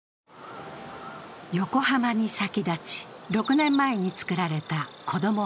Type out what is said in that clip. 横浜に先立ち、６年前に作られたこども